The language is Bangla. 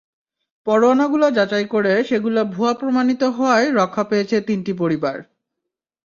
পরোয়ানাগুলো যাচাই করে সেগুলো ভুয়া প্রমাণিত হওয়ায় রক্ষা পেয়েছে তিনটি পরিবার।